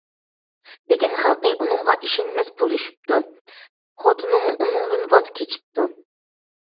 لېكىن خەلقى ئۇنىڭغا ئىشەنمەس بولۇشۇپتۇ، خوتۇنىمۇ ئۇنىڭدىن ۋاز كېچىپتۇ.